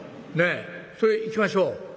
ねっそれ行きましょう」。